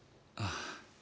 あっ。